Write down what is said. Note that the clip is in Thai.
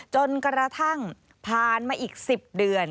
จนกระทั่งผ่านมาอีก๑๐เดือน